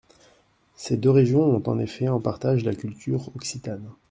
Ces deux régions ont en effet en partage la culture occitane.